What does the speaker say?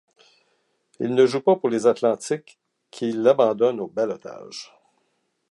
Il ne joue pas pour les Athletics, qui l'abandonnent au ballottage.